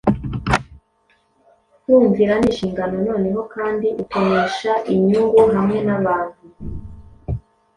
Kumvira ni inshingano noneho, Kandi utonesha inyungu hamwe n'abantu.